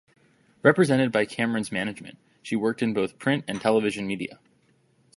Represented by Cameron's Management, she worked in both print and television media.